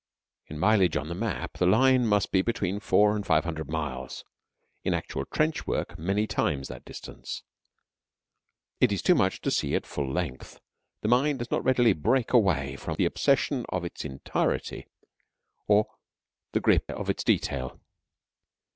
In mileage on the map the line must be between four and five hundred miles; in actual trench work many times that distance. It is too much to see at full length; the mind does not readily break away from the obsession of its entirety or the grip of its detail.